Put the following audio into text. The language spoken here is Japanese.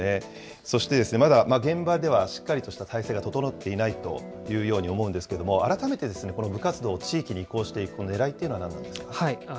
そしてまだ現場では、しっかりとした体制が整っていないというように思うんですけれども、改めて、この部活動を地域に移行していくねらいというのは何なんでしょうか。